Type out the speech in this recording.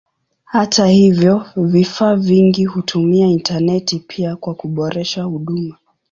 Hata hivyo vifaa vingi hutumia intaneti pia kwa kuboresha huduma.